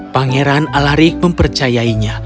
pangeran alaric mempercayainya